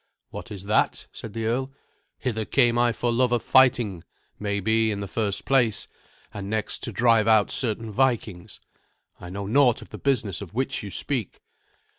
"What is that?" said the earl. "Hither came I for love of fighting, maybe, in the first place; and next to drive out certain Vikings. I know naught of the business of which you speak."